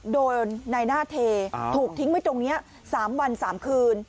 โดยนายหน้าเทถูกทิ้งไว้ตรงนี้๓วัน๓คืน